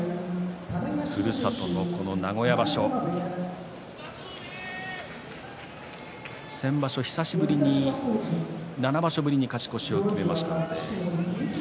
ふるさとの名古屋場所先場所、久しぶりに７場所ぶりに勝ち越しを決めました。